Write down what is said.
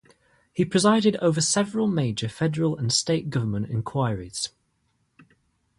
He presided over several major federal and state government inquiries.